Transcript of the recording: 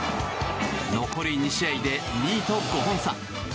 残り２試合で２位と５本差。